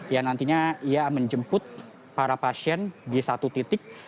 yang nantinya ia menjemput para pasien di satu titik